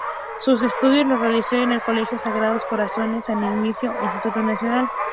Sus estudios los realizó en el Colegio Sagrados Corazones, San Ignacio e Instituto Nacional.